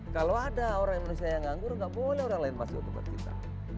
kalau ada orang indonesia yang nganggur nggak boleh orang lain masuk ke tempat kita